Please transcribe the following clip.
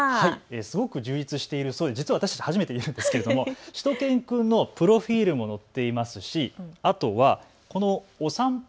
すごく充実しているそうで私初めて見るんですけどしゅと犬くんのプロフィールも載っていますしあとはおさんぽ